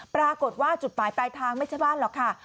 ปรากฏว่าจุดหมายปลายทางไม่ใช่บ้านหรอกค่ะ